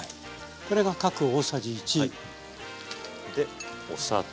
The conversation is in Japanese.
これが各大さじ１。でお砂糖。